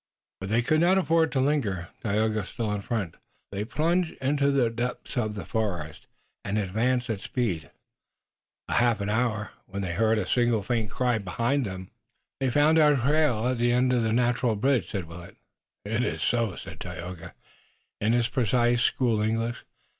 But they could not afford to linger. Tayoga still in front, they plunged into the depths of the forest, and advanced at speed a half hour, when they heard a single faint cry behind them. "They've found our trail at the end of the natural bridge," said Willet. "It is so," said Tayoga, in his precise school English.